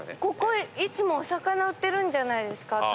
ここいつもお魚売ってるんじゃないですか？